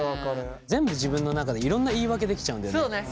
全部自分の中でいろんな言い訳できちゃうんだよね。